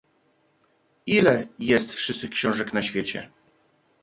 "Ile jest wszystkich książek na świecie?"